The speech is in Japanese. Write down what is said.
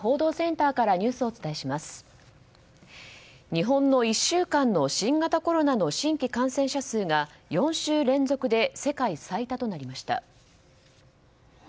日本の１週間の新型コロナの新規感染者数が４週連続で世界最多となりました。